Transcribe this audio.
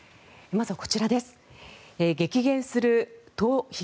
まずはこちらです。